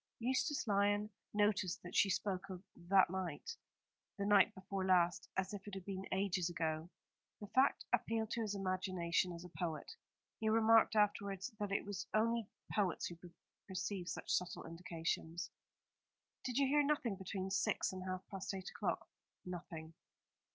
Eustace Lyon noticed that she spoke of "that night," the night before last, as if it had been ages ago. The fact appealed to his imagination as a poet. He remarked afterwards that it is only poets who perceive such subtle indications. "Did you hear nothing between six and half past eight o'clock?" "Nothing."